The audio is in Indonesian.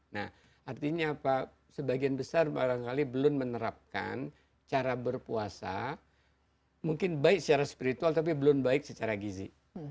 nah artinya apa sebagian besar barangkali belum menerapkan cara berpuasa mungkin baik secara spiritual tapi belum baik secara gizi